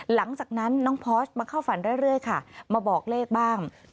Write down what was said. หลังจากนั้นน้องพอร์สมาเข้าฝันเรื่อยค่ะมาบอกเลขบ้าง